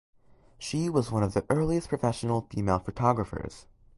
She was one of the earliest professional female photographers.